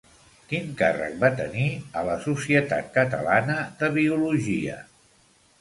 Quin càrrec va tenir a la Societat Catalana de Biologia?